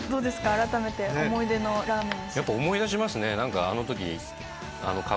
改めて思い出のラーメン。